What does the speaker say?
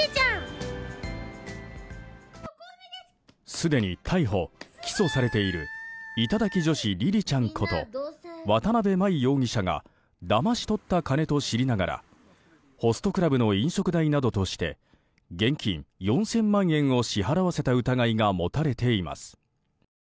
すでに逮捕・起訴されている頂き女子りりちゃんこと渡邊真衣容疑者がだまし取った金と知りながらホストクラブの飲食代などとして現金４０００万円を支払わせた疑いが持たれています。